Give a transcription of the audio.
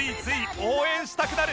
応援したくなる。